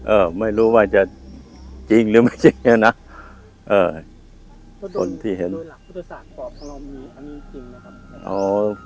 เอ่อไม่รู้ว่าจะจริงหรือไม่จริงอ่ะนะเอ่อคนที่เห็นโดยหลักพุทธศาสตร์บอกของเรามีอันนี้จริงนะครับอ๋อ